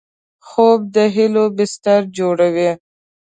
خوب د هیلو بستر جوړوي